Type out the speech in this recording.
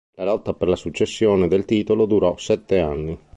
La lotta per la successione del titolo durò sette anni.